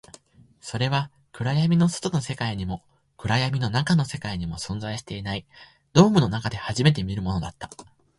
それは暗闇の外の世界にも、暗闇の中の世界にも存在していない、ドームの中で初めて見るものだった